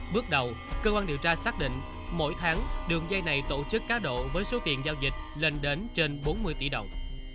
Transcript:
bước đầu cơ quan điều tra xác định mỗi tháng đường dây này tổ chức cá độ với số tiền giao dịch lên đến trên bốn mươi tỷ đồng